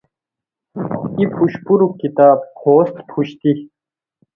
ای پھوشپورک کتاب پھوست پھوشتی